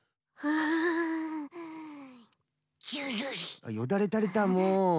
あっよだれたれたもう。